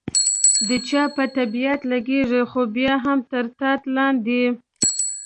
د چا په طبیعت لګېږي، خو بیا هم تر ټاټ لاندې.